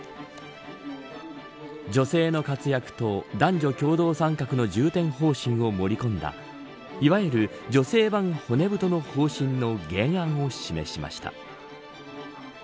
女性の活躍と男女共同参画の重点方針を盛り込んだいわゆる女性版骨太の方針の原案を示しました。